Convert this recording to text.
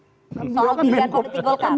soal pilihan politik golkar